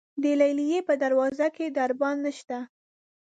د لیلې په دروازه کې دربان نشته.